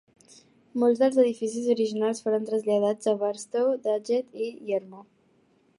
Molts dels edificis originals foren traslladats a Barstow, Daggett i Yermo.